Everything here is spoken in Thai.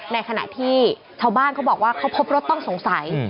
ในขณะที่ชาวบ้านเขาบอกว่าเขาพบรถต้องสงสัย